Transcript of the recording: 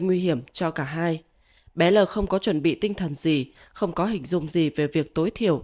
nguy hiểm cho cả hai bé l không có chuẩn bị tinh thần gì không có hình dung gì về việc tối thiểu